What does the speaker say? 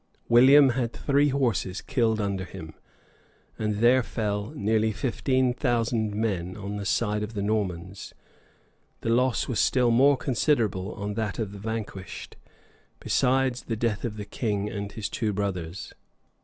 William had three horses killed under him; and there fell near fifteen thousand men on the side of the Normans: the loss was still more considerable on that of the vanquished, besides the death of the king and his two brothers.